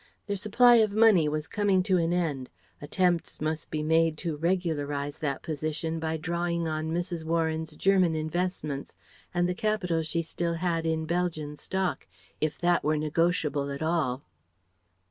Their supply of money was coming to an end; attempts must be made to regularize that position by drawing on Mrs. Warren's German investments and the capital she still had in Belgian stock if that were negotiable at all.